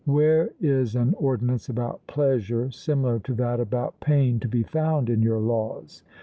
Where is an ordinance about pleasure similar to that about pain to be found in your laws?